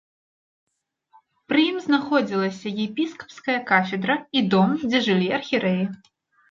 Пры ім знаходзілася епіскапская кафедра і дом, дзе жылі архірэі.